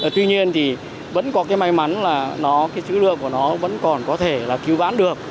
tuy nhiên vẫn có may mắn là chữ lượng của nó vẫn còn có thể cứu vãn được